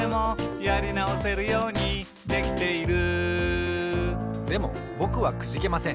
「やりなおせるようにできている」でもぼくはくじけません。